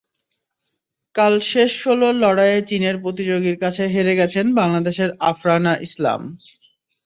কাল শেষ ষোলোর লড়াইয়ে চীনের প্রতিযোগীর কাছে হেরে গেছেন বাংলাদেশের আফরানা ইসলাম।